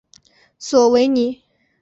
索维尼。